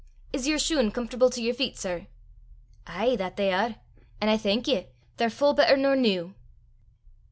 Is yer shune comfortable to yer feet, sir?" "Ay, that they are! an' I thank ye: they're full better nor new."